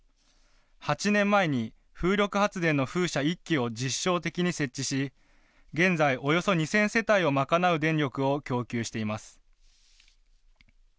８年前に風力発電の風車１基を実証的に設置し、現在、およそ２０００世帯を賄う電力を供給しています。